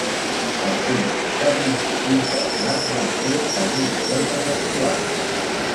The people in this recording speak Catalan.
El tema de principis del març van ser els uniformes escolars.